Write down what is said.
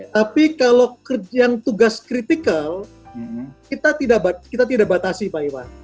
tapi kalau yang tugas kritikal kita tidak batasi pak iwan